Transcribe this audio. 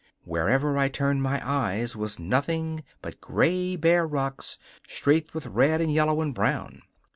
Wherever I turned my eyes was nothing but gray, bare rocks streaked with red and yellow and brown.